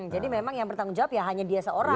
memang yang bertanggung jawab ya hanya dia seorang